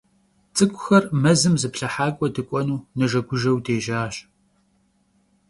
Ts'ık'uxer mezım zıplhıhak'ue dık'uenu nejjegujjeu dêjaş.